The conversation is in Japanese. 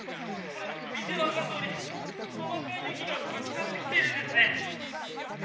見て分かるとおり細かい雪がぶつかってきているんですね。